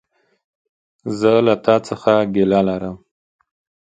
زه له تا څخه ګيله لرم!